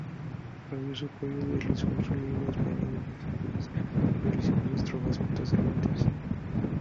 Rabioso por ello, deslizó en su libro "España defendida" unas durísimas estrofas contra Cervantes.